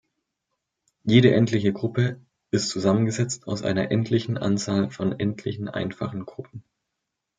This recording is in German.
Jede endliche Gruppe ist zusammengesetzt aus einer endlichen Anzahl von endlichen einfachen Gruppen.